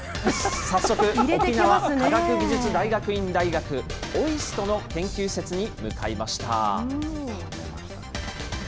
早速、沖縄科学技術大学院大学・ＯＩＳＴの研究施設に向かいました。